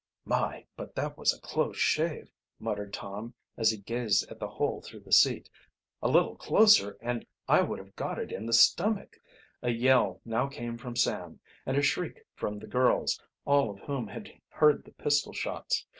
"My, but that was a close shave!" muttered Tom, as he gazed at the hole through the seat. "A little closer and I would have got it in the stomach." A yell now came from Sam, and a shriek from the girls, all of whom had heard the pistol shots.